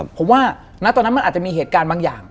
ผมว่าณตอนนั้นมันอาจจะมีเหตุการณ์บางอย่าง